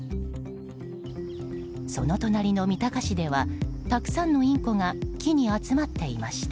その隣の三鷹市ではたくさんのインコが木に集まっていました。